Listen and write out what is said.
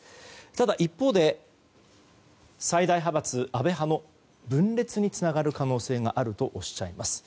ただ一方で、最大派閥安倍派の分裂につながる可能性があるとおっしゃいます。